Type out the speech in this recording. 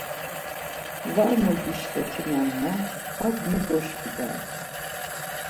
Var mogişletinanna hak megoşkidare.